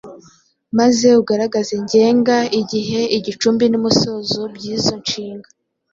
maze ugaragaze ngenga, igihe, igicumbi n’umusozo by’izo nshinga.